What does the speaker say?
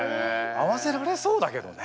合わせられそうだけどね。